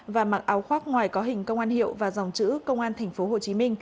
và mặc áo khoác ngoài có hình công an hiệu và dòng chữ công an tp hcm